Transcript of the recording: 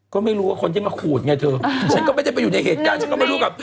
ก็ไม่รู้ว่าคนยังมาโข่นไงเธอเช้ง็ไม่ได้ไปอยู่ในเหตุการณ์